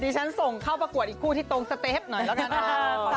ดิฉันส่งเข้าประกวดอีกคู่ที่ตรงสเต็ปหน่อยละกัน